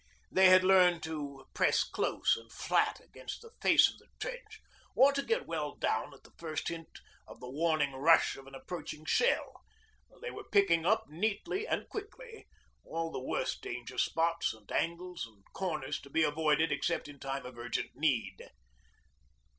They had learned to press close and flat against the face of the trench or to get well down at the first hint of the warning rush of an approaching shell; they were picking up neatly and quickly all the worst danger spots and angles and corners to be avoided except in time of urgent need.